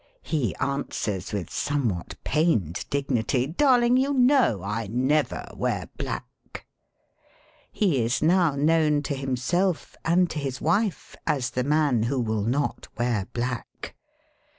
'' He answers with some what pained dignity : "Darling, you know I never wear black." He is now known to himself and to his wife as the man who will not wear black.